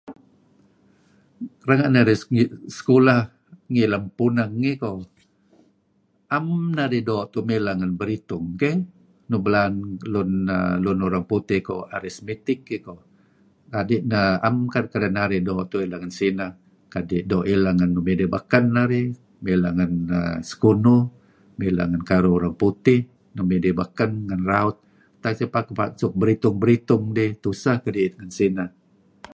Renga' narih sekulah ngi lem puneng ngi koh 'am narih mileh tu'uh ngen beritung keh nuk belaan lun urang putih kuh Arithmetic ih koh, adi' neh 'am kedinarih doo' tu'uh ileh ngen sineh kadi' doo' ileh ngen nuk midih beken narih, mileh ngen sekunuh, mileh ngen karuh urang putih, nuk midih beken ngen raut . Tak idih suk beritung-beritung dih tuseh kedi'it ngen sineh.